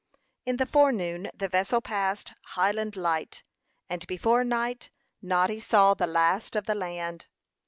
In the forenoon the vessel passed Highland Light, and before night Noddy saw the last of the land.